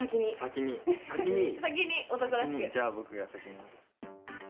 じゃあ僕が先に。